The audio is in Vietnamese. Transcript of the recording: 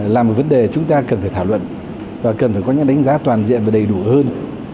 là một vấn đề chúng ta cần phải thảo luận và cần phải có những đánh giá toàn diện và đầy đủ hơn